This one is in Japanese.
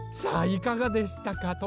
さあいかがでしたか？